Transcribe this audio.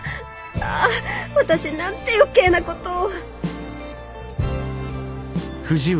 ああ私なんて余計なことを！